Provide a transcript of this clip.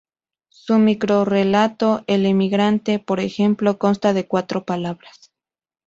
Su microrrelato "El emigrante", por ejemplo, consta de cuatro palabras.